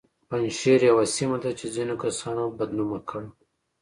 پنجشیر یوه سیمه ده چې ځینو کسانو بد نومه کړه